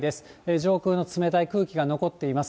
上空の冷たい空気が残っています。